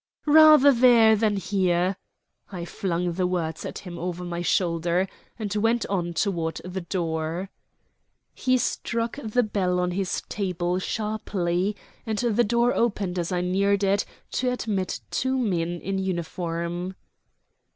"Rather there than here." I flung the words at him over my shoulder, and went on toward the door. He struck the bell on his table sharply, and the door opened as I neared it to admit two men in uniform.